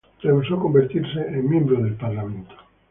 Rehusó convertirse en miembro del parlamento.